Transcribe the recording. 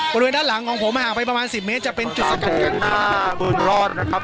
บริเวณด้านหลังของผมห่างไปประมาณ๑๐เมตรจะเป็นจุดสังเกตด้านหน้าบนรอดนะครับ